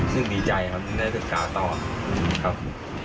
ซึ่งดีใจครับแล้วต้องการต่อครับ